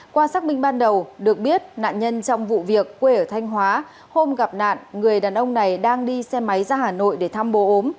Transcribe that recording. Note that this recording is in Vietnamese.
qua xác minh ban đầu được biết nạn nhân trong vụ việc quê ở thanh hóa hôm gặp nạn người đàn ông này đang đi xe máy ra hà nội để thăm bố ốm